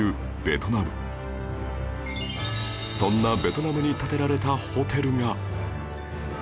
そんなベトナムに建てられたホテルが